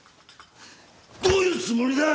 どういうつもりだ！